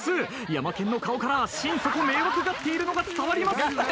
ヤマケンの顔から心底迷惑がっているのが伝わります。